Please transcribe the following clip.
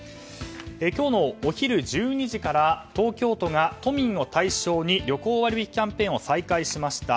今日のお昼１２時から、東京都が都民を対象に旅行割引キャンペーンを再開しました。